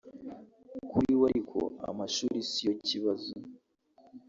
Kuri we ariko amashuri siyo kibazo